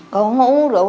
còn không uống rượu